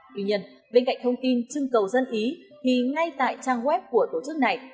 tuy nhiên bên cạnh thông tin chưng cầu dân ý thì ngay tại trang web của tổ chức này